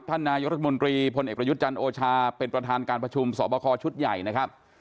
นายรัฐมนตรีพลเอกประยุทธ์จันทร์โอชาเป็นประธานการประชุมสอบคอชุดใหญ่นะครับ